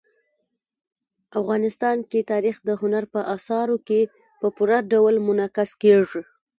افغانستان کې تاریخ د هنر په اثارو کې په پوره ډول منعکس کېږي.